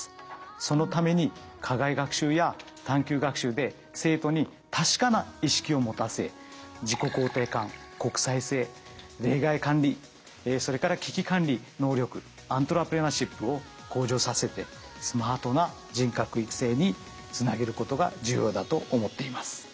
そのために課外学習や探究学習で生徒に確かな意識を持たせ自己肯定感国際性例外管理それから危機管理能力アントレプレナーシップを向上させてスマートな人格育成につなげることが重要だと思っています。